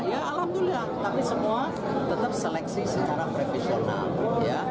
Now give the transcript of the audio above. ya alhamdulillah tapi semua tetap seleksi secara profesional ya